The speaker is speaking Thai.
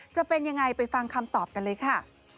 จะเป็นยังไงไปฟังคำตอบกันเลยค่ะ